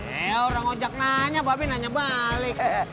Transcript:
eh orang ojak nanya bapak nanya balik